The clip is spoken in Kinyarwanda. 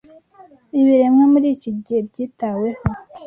ibiremwa muri iki gihe byitaweho